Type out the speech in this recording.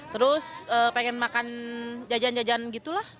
terus pengen makan jajan jajan gitu lah